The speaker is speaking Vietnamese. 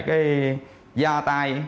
cái da tai